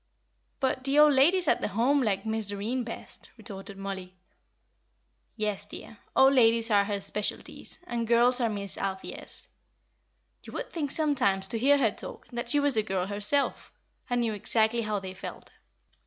"But the old ladies at the Home like Miss Doreen best," retorted Mollie. "Yes, dear, old ladies are her specialities, and girls are Miss Althea's. You would think, sometimes, to hear her talk, that she was a girl herself, and knew exactly how they felt.